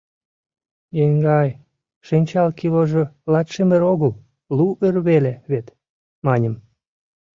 — Еҥгай, шинчал киложо латшымыр огыл, лу ыр веле вет, — маньым.